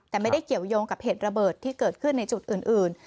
แต่ไม่ได้เกี่ยวยงกับเหตุระเบิดที่เกิดขึ้นในจุดอื่น